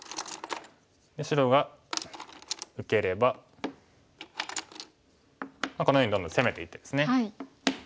で白が受ければこのようにどんどん攻めていってですね。